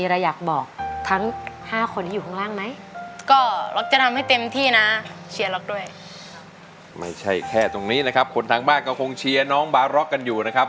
ร้องได้ให้ล้านเพลงที่หนึ่งเพลงมาครับ